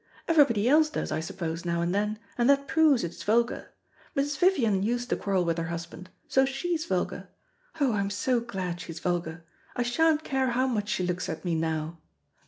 Everybody else does, I suppose, now and then, and that proves it's vulgar. Mrs. Vivian used to quarrel with her husband, so she's vulgar. Oh, I'm so glad she's vulgar. I sha'n't care how much she looks at me now.